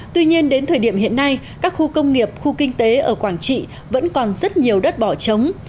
tuy nhiên đến thời điểm hiện nay các khu công nghiệp khu kinh tế ở quảng trị vẫn còn rất nhiều đất bỏ trống